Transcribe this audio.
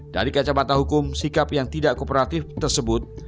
dari kacamata hukum sikap yang tidak kooperatif tersebut